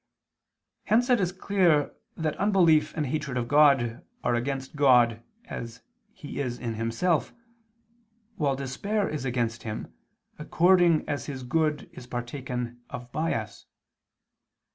Hence it is clear that unbelief and hatred of God are against God as He is in Himself, while despair is against Him, according as His good is partaken of by us.